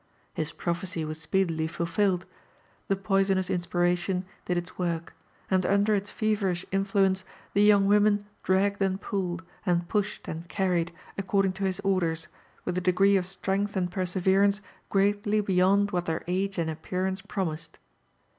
His prophecy was speedily fulfilled — ^the poisonous inspiration did its work, and under its feverish influence the young women dragged and pulled, and pushed and carried, according to his orders, with a degree of strength and perseverance greatly beyond what their age and appearance promised.